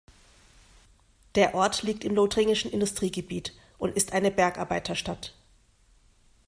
Der Ort liegt im lothringischen Industriegebiet und ist eine Bergarbeiterstadt.